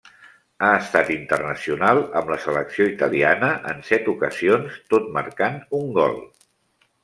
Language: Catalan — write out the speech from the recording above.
Ha estat internacional amb la selecció italiana en set ocasions, tot marcant un gol.